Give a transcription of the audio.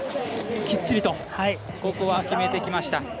きっちりとここは決めてきました。